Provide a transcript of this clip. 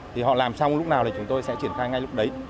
thì họ làm xong lúc nào thì chúng tôi sẽ triển khai ngay lúc đấy